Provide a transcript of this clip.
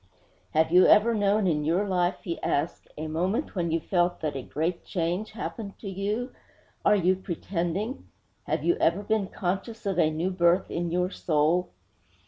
'Have you ever known in your life,' he asked, 'a moment when you felt that a great change happened to you? Are you pretending? Have you ever been conscious of a new birth in your soul?'